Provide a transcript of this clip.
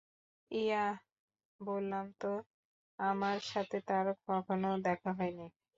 Yeah, বললাম তো আমার সাথে তার কখনো দেখা হয়নি।